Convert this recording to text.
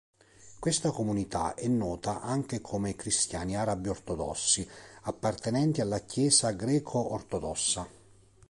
Questa comunità è nota anche come "cristiani arabi ortodossi", appartenenti alla Chiesa greco-ortodossa.